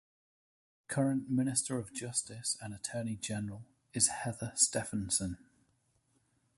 The current Minister of Justice and Attorney General is Heather Stefanson.